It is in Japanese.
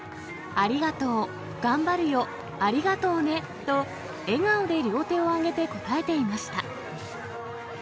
ありがとう、頑張るよ、ありがとうねと、笑顔で両手を上げて答えていました。